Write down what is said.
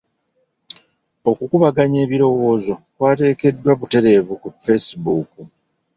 Okukubaganya ebirowoozo kwateekeddwa butereevu ku facebook.